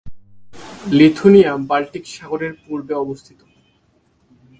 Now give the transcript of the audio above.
Lithuania Baltic সাগরের পূর্ব তীরে অবস্থিত।